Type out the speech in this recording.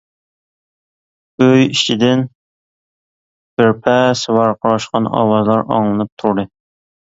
ئۆي ئىچىدىن بىر پەس ۋارقىراشقان ئاۋازلار ئاڭلىنىپ تۇردى.